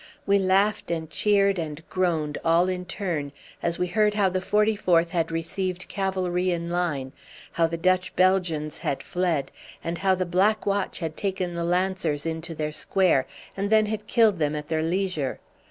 We laughed and cheered and groaned all in turn as we heard how the 44th had received cavalry in line, how the Dutch Belgians had fled, and how the Black Watch had taken the Lancers into their square, and then had killed them at their leisure.